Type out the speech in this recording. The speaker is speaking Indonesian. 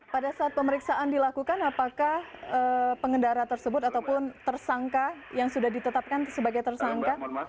pada saat pemeriksaan dilakukan apakah pengendara tersebut ataupun tersangka yang sudah ditetapkan sebagai tersangka